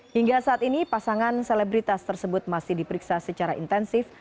hingga saat ini pasangan selebritas tersebut masih diperiksa secara intensif